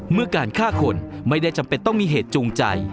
เมื่อการฆ่าคนไม่ได้จำเป็นต้องมีเหตุจูงใจ